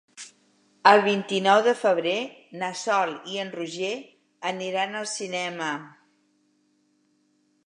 El vint-i-nou de febrer na Sol i en Roger aniran al cinema.